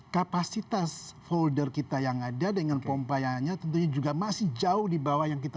kapasitas folder kita yang ada dengan pompa yang hanya tentunya juga masih jauh di bawah yang kita